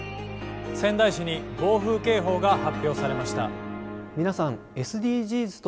仙台市に暴風警報が発表されました。